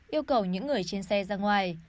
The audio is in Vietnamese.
yêu cầu những người trên xe ra ngoài